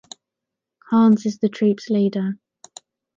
Hans is the troupe's leader.